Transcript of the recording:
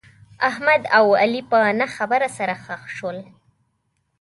احمد او علي په نه خبره سره خښ شول.